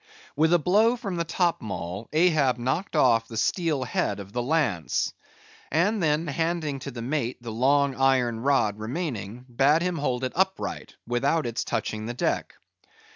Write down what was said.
With a blow from the top maul Ahab knocked off the steel head of the lance, and then handing to the mate the long iron rod remaining, bade him hold it upright, without its touching the deck.